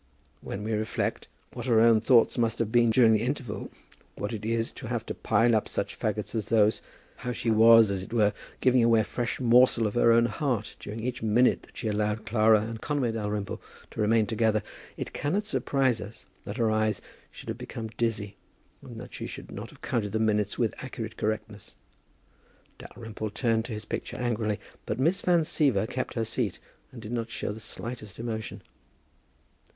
When we reflect what her own thoughts must have been during the interval, what it is to have to pile up such fagots as those, how she was, as it were, giving away a fresh morsel of her own heart during each minute that she allowed Clara and Conway Dalrymple to remain together, it cannot surprise us that her eyes should have become dizzy, and that she should not have counted the minutes with accurate correctness. Dalrymple turned to his picture angrily, but Miss Van Siever kept her seat and did not show the slightest emotion.